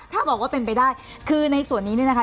ถ้าบอกว่าเป็นไปได้คือในส่วนนี้เนี่ยนะคะ